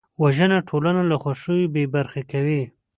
وژنه ټولنه له خوښیو بېبرخې کوي